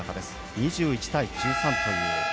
２１対１３という。